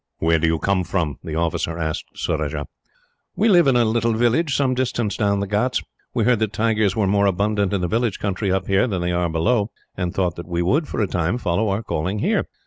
"Where do you come from?" the officer asked Surajah. "We live in a little village, some distance down the ghauts. We heard that tigers were more abundant, in the jungle country up here, than they are below; and thought that we would, for a time, follow our calling here.